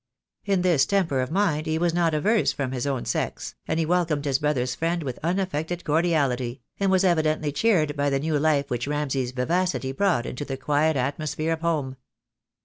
In this temper of mind he was not averse from his own sex, and he welcomed his brother's friend with unaffected cordiality, and was evidently cheered by the new life which Ram say's vivacity brought into the quiet atmosphere of home.